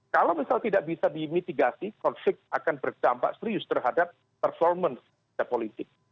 kalau misal tidak bisa dimitigasi konflik akan berdampak serius terhadap performance politik